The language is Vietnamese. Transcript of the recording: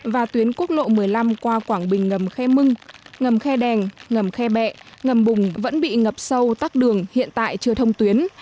và tuyến quốc lộ một mươi năm qua quảng bình ngầm khe mưng ngầm khe đèn ngầm khe bẹ ngầm bùng vẫn bị ngập sâu tắc đường hiện tại chưa thông tuyến